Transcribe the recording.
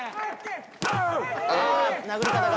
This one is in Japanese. お‼殴り方が。